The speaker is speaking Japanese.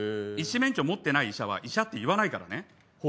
医師免許持ってない医者は医者って言わないからね。